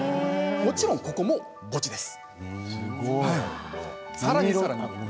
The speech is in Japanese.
もちろん、ここも墓地です。